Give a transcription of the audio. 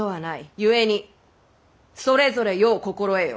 ゆえにそれぞれよう心得よ！